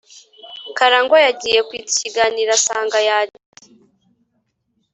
Karangwa yagiye kwitsa ikiganiro asanga yagiye